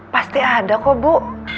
pasti ada kok bu